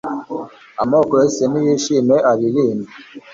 Amoko yose niyishime aririmbe